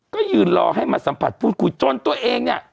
ก็ยืนรอให้มาสัมผัสพูดคุยจนตัวเองเนี่ย